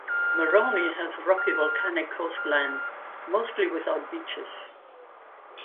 Moroni has a rocky volcanic coastline, mostly without beaches.